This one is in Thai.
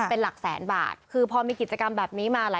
เป็นหลักแสนบาทคือพอมีกิจกรรมแบบนี้มาหลาย